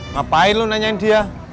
ngapain lo nanyain dia